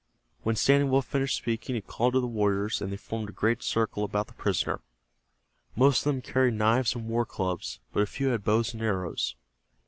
When Standing Wolf finished speaking he called to the warriors, and they formed a great circle about the prisoner. Most of them carried knives and war clubs, but a few had bows and arrows.